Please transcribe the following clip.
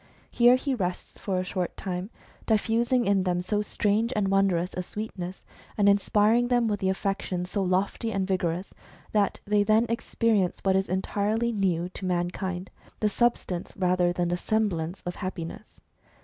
Here he rests for a short time, diffusing in them so strange and wondrous a sweetness, and inspiring them with affections so lofty and vigorous, that they then experience what is entirely new to man kind, the substance rather than the semblance of happi ness.